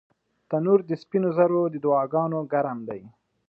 تنور د سپین زرو د دعاګانو ګرم دی